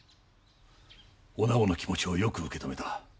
お直の気持ちをよく受け止めた。